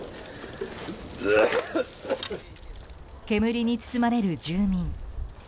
煙に包まれる住民。